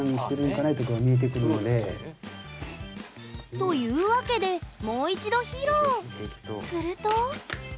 というわけでもう一度披露。